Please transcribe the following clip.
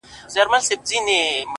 • زموږ مېږیانو هم زلمي هم ماشومان مري,